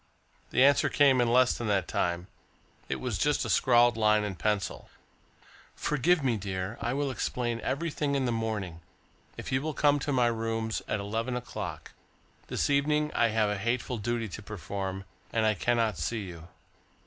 The answer came in less than that time. It was just a scrawled line in pencil: "Forgive me, dear. I will explain everything in the morning, if you will come to my rooms at eleven o'clock. This evening I have a hateful duty to perform and I cannot see you."